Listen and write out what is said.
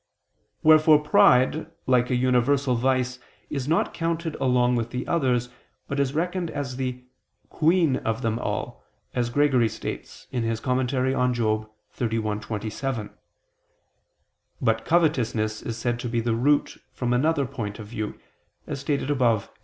Wherefore pride, like a universal vice, is not counted along with the others, but is reckoned as the "queen of them all," as Gregory states (Moral. xxxi, 27). But covetousness is said to be the root from another point of view, as stated above (AA.